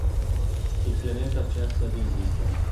Il pianeta cessa di esistere.